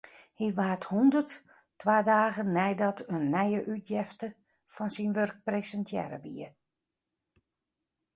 Hy waard hûndert, twa dagen neidat in nije útjefte fan syn wurk presintearre wie.